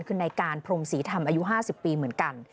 คือในการพรมศรีธรรมอายุ๕๐ปีเหมือนกัน